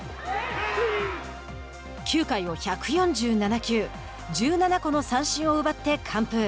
９回を１４７球１７個の三振を奪って完封。